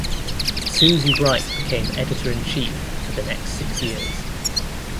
Susie Bright became editor-in-chief for the next six years.